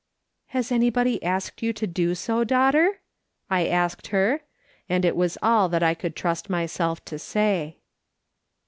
" Has anybody asked you to do so, daughter ?" I asked her, and it was all that I could trust myself to say.